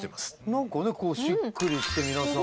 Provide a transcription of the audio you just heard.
なんかねこうしっくり来て皆さん。